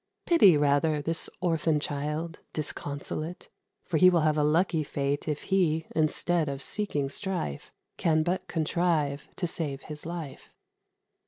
Pity, rather, This orphan child, disconsolate, For he will have a lucky fate, If he, instead of seeking strife, Can but contrive to save his life."